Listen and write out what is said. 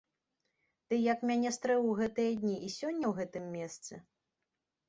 Ты як мяне стрэў у гэтыя дні і сёння ў гэтым месцы?